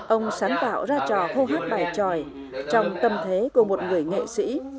ông sáng tạo ra trò câu hát bài tròi trong tâm thế của một người nghệ sĩ